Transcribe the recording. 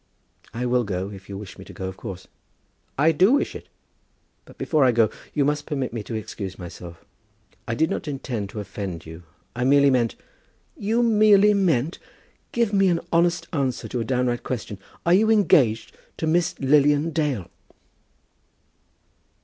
"I will go, if you wish me to go, of course." "I do wish it." "But before I go, you must permit me to excuse myself. I did not intend to offend you. I merely meant " "You merely meant! Give me an honest answer to a downright question. Are you engaged to Miss Lilian Dale?"